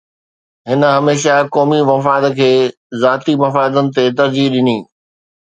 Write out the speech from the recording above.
هن هميشه قومي مفاد کي ذاتي مفادن تي ترجيح ڏني